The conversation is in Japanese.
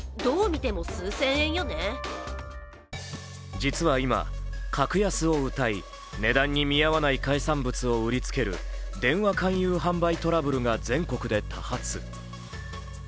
実は今、格安をうたい、値段に見合わない海産物を売りつける電話勧誘販売トラブルが全国で多発。